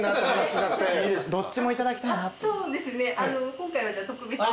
今回はじゃあ特別に。